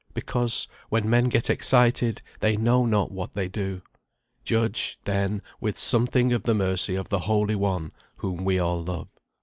Because, when men get excited, they know not what they do. Judge, then, with something of the mercy of the Holy One, whom we all love.